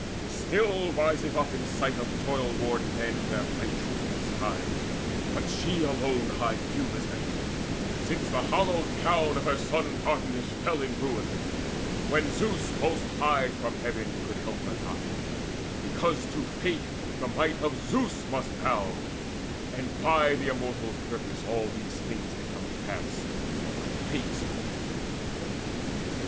Still riseth up in sight of toil worn men Their bright troop in the skies; but she alone Hides viewless ever, since the hallowed town Of her son Dardanus in ruin fell, When Zeus most high from heaven could help her not, Because to Fate the might of Zeus must bow; And by the Immortals' purpose all these things Had come to pass, or by Fate's ordinance.